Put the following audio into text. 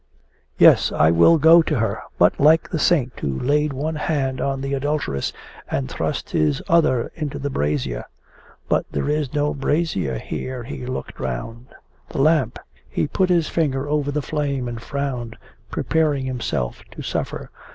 'Yes, I will go to her, but like the Saint who laid one hand on the adulteress and thrust his other into the brazier. But there is no brazier here.' He looked round. The lamp! He put his finger over the flame and frowned, preparing himself to suffer.